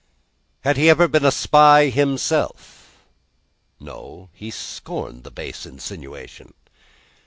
Had he ever been a spy himself? No, he scorned the base insinuation.